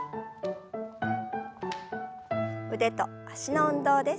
腕と脚の運動です。